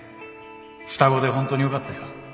双子でホントによかったよ